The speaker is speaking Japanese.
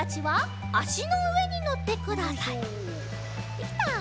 できた！